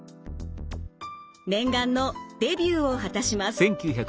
念願のデビューを果たします。